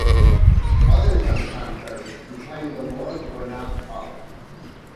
Others, on the contrary, complained the laws were not followed.